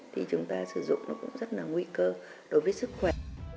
thì chúng ta sử dụng nó cũng rất là nguy cơ đối với sức khỏe